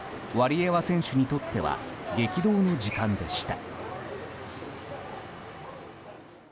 ワリエワ選手にとっては激動の時間でした。